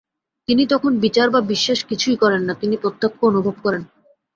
তিনি তখন বিচার বা বিশ্বাস কিছুই করেন না, তিনি প্রত্যক্ষ অনুভব করেন।